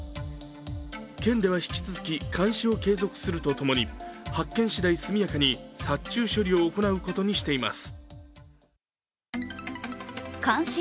県では引き続き監視を継続するとともに発見しだい速やかに殺虫処理を行うことにしています。